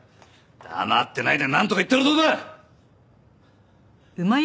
黙ってないでなんとか言ったらどうだ！？